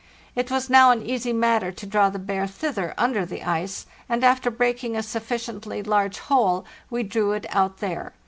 It was now an easy matter to draw the bear thither under the ice, and after breaking a sufficiently large hole we drew it out there.